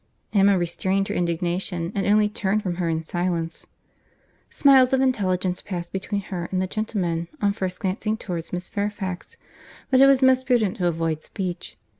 Emma restrained her indignation, and only turned from her in silence. Smiles of intelligence passed between her and the gentleman on first glancing towards Miss Fairfax; but it was most prudent to avoid speech.